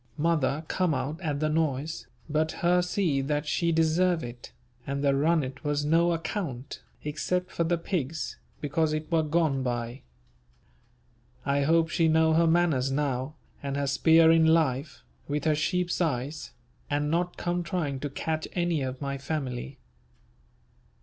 Mother come out at the noise, but her see that she deserve it, and the runnet was no account, except for the pigs, because it were gone by. I hope she know her manners now and her spear in life with her sheep's eyes, and not come trying to catch any of my family.